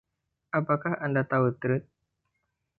Apakah Anda tahu ‘Truth’?